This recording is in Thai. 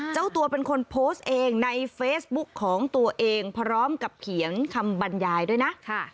เจ้าตัวเป็นคนโพสต์เองในเฟซบุ๊กของตัวเองพร้อมกับเขียนคำบรรยายด้วยนะ